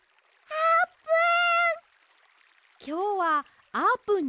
あーぷん！